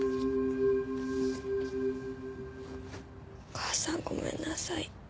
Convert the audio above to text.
お母さんごめんなさい。